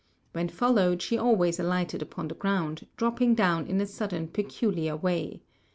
When followed she always alighted upon the ground, dropping down in a sudden peculiar way.